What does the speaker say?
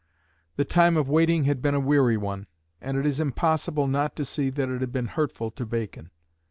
The time of waiting had been a weary one, and it is impossible not to see that it had been hurtful to Bacon.